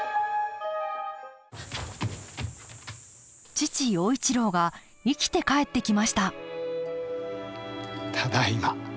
父陽一郎が生きて帰ってきましたただいま。